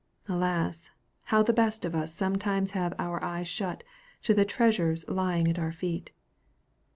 Alas! how the best of us sometimes have our eyes shut to the treasures lying at our feet.